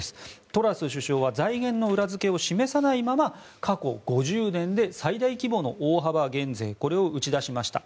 トラス首相は財源の裏付けを示さないまま過去５０年で最大規模の大幅減税これを打ち出しました。